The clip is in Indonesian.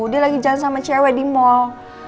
dia lagi jalan sama cewek di mall